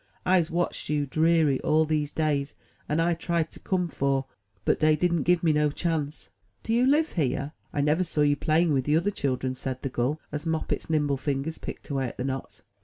Fse watched you, deary, all dese days and I tried to come 'fore, but dey didn't give me no chance." Do you live here? I never saw you playing with the other children," said the gull, as Moppet's nimble fingers picked away at the knots.